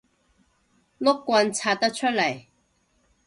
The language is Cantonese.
碌棍拆得出嚟